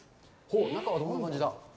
中はどんな感じだ。